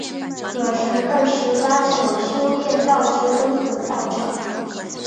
葛城二十八宿修验道之根本道场。